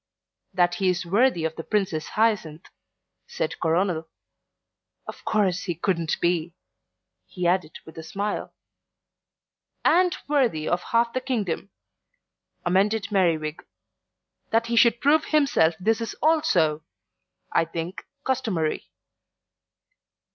"That he is worthy of the Princess Hyacinth," said Coronel. "Of course he couldn't be," he added with a smile. "And worthy of half the kingdom," amended Merriwig. "That he should prove himself this is also, I think, customary."